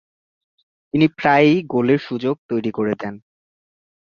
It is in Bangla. তিনি প্রায়ই গোলের সুযোগ তৈরি করে দেন।